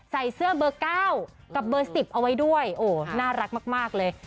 ใส่เสื้อเบอร์๙กับเบอร์๑๐เอาไว้ด้วยโอ้น่ารักมากเลย